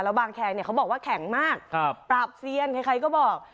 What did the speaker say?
บางแคงเนี่ยเขาบอกว่าแข็งมากปราบเซียนใครก็บอก